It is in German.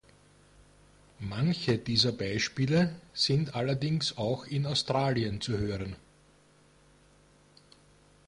Manche dieser Beispiele sind allerdings auch in Australien zu hören.